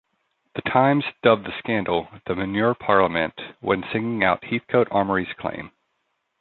"The Times" dubbed the scandal 'The Manure Parliament' when singling out Heathcoat-Amory's claim.